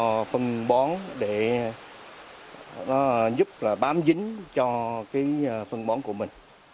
cho phân bón để nó giúp là bám dính cho cái phân bón của mình